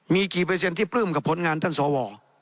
มีกี่เปอร์เซ็นต์ที่ปลื้มกับผลงานท่านสว